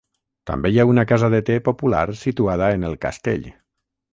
També hi ha una casa de te popular situada en el castell.